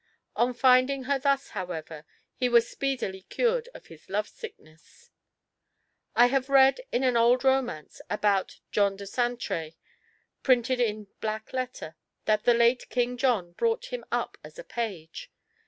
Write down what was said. On finding her thus, however, he was speedily cured of his love sickness. "I have read in an old romance about John de Saintré, printed in black letter, that the late King John brought him up as a page.